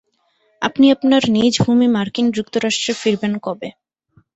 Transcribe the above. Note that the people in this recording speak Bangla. আপনি আপনার নিজ ভূমি মার্কিন যুক্তরাষ্ট্রে ফিরবেন কবে?